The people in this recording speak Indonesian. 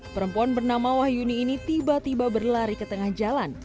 perempuan bernama wahyuni ini tiba tiba berlari ke tengah jalan